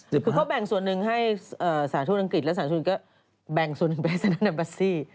คือเขาแบ่งส่วนหนึ่งให้สาธุลังกิจและสาธุลังกิจก็แบ่งส่วนหนึ่งไปสนับบัตรซี